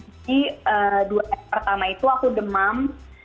jadi dua hari pertama itu aku demam